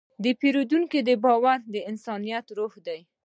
د پیرودونکي باور د انسانیت روح دی.